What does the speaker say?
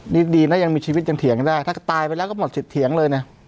นี่ดีนะยังมีชีวิตยังเถียงได้ถ้าตายไปแล้วก็หมดสิทธิเถียงเลยนะ